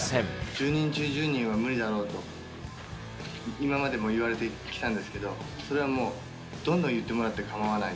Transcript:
１０人中１０人は無理だろうと、今までも言われてきたんですけど、それはもうどんどん言ってもらって構わない。